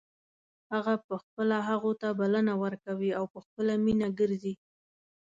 هغه په خپله هغو ته بلنه ورکوي او په خپله مینه ګرځي.